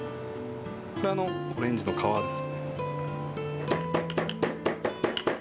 これオレンジの皮です。